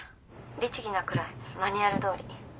律儀なくらいマニュアルどおり。